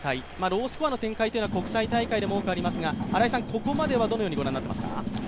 ロースコアの展開というのは国際大会でも多くありますがここまではどのようにご覧になっていますか？